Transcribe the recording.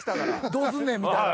どうすんねん？みたいな。